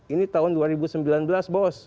ini tahun dua ribu sembilan belas bos